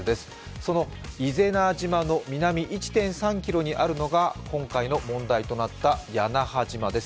その伊是名島の南、１．３ｋｍにあるのが、今回の問題となった屋那覇島です。